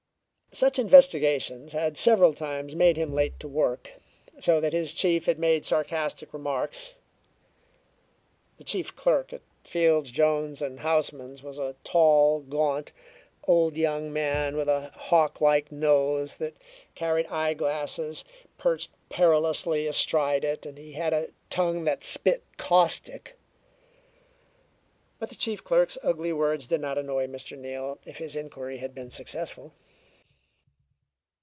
Such investigations had several times made him late to work, so that his chief had made sarcastic remarks. The chief clerk at Fields, Jones & Houseman's was a tall, gaunt, old young man with a hawk like nose that carried eyeglasses perched perilously astride it, and he had a tongue that spit caustic. But the chief clerk's ugly words did not annoy Mr. Neal if his inquiry had been successful.